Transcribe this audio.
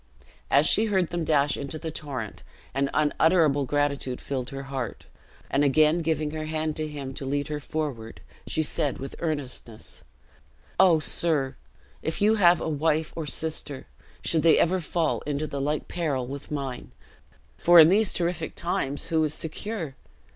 As she heard them dash into the torrent, an unutterable gratitude filled her heart; and again giving her hand to him to lead her forward, she said with earnestness, "O sir, if you have a wife or sister should they ever fall into the like peril with mine; for in these terrific times, who is secure?